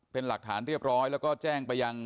เป็นหลักฐานเรียบร้อยแล้วก็แจ้งไปยัง